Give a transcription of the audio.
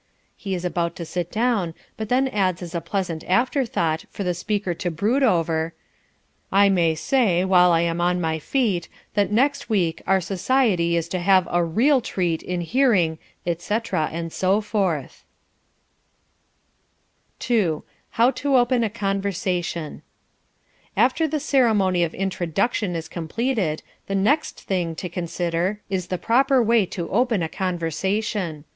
He is about to sit down, but then adds as a pleasant afterthought for the speaker to brood over "I may say, while I am on my feet, that next week our society is to have a REAL treat in hearing et cetera and so forth " II HOW TO OPEN A CONVERSATION After the ceremony of introduction is completed the next thing to consider is the proper way to open a conversation.